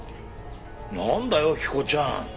なんだよ彦ちゃん。